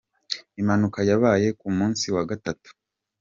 Impanuka yabaye ku munsi wa gatatu.